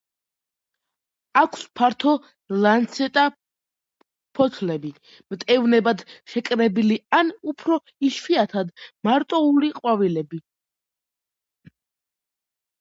აქვს ფართო ლანცეტა ფოთლები, მტევნებად შეკრებილი ან უფრო იშვიათად მარტოული ყვავილები.